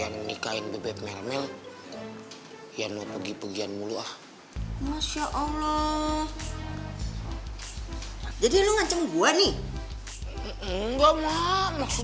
aku ngaku kenapa sih